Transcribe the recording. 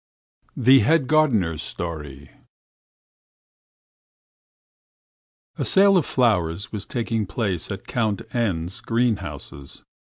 THE HEAD GARDENER'S STORY A SALE of flowers was taking place in Count N.'s greenhouses.